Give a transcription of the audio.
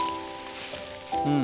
うん。